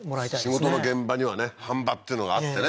仕事の現場にはね飯場っていうのがあってね